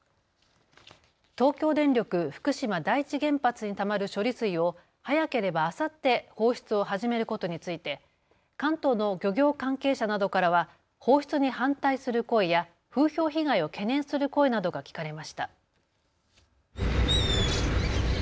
東京電力福島第一原発にたまる処理水を早ければあさって放出を始めることについて関東の漁業関係者などからは放出に反対する声や風評被害を懸念する声などが聞かれました。